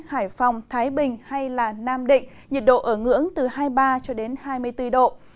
hải phòng thái bình hay nam định nhiệt độ ở ngưỡng từ hai mươi ba hai mươi bốn độ